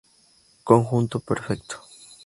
Conjunto perfecto